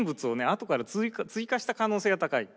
あとから追加した可能性が高い。